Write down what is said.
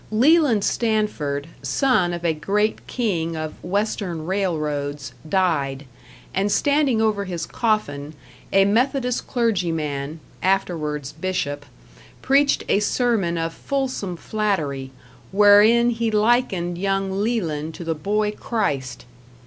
Leland Stanford, son of a great king of Western railroads, died; and standing over his coffin, a Methodist clergyman, afterwards Bishop, preached a sermon of fulsome flattery, wherein he likened young Leland to the boy Christ.